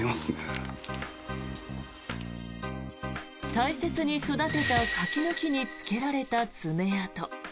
大切に育てた柿の木につけられた爪痕。